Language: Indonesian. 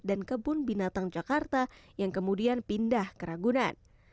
dan kebun binatang jakarta yang kemudian pindah ke ragunan